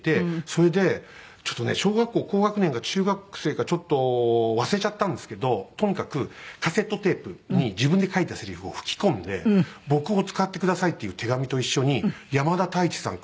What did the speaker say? それでちょっとね小学校高学年か中学生かちょっと忘れちゃったんですけどとにかくカセットテープに自分で書いたせりふを吹き込んで「僕を使ってください」っていう手紙と一緒に山田太一さん